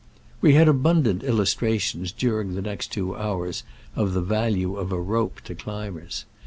We had abundant illustrations during the next two hours of the value of a rope to climbers.